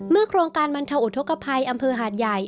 โครงการบรรเทาอุทธกภัยอำเภอหาดใหญ่